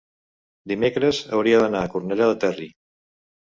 dimecres hauria d'anar a Cornellà del Terri.